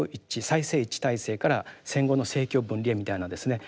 祭政一致体制から戦後の政教分離へみたいなですね